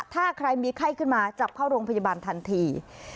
ถ้าใครมีไข้ขึ้นมาจับเข้าโรงพยาบาลทันที